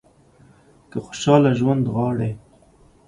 که خوشاله ژوند غواړئ .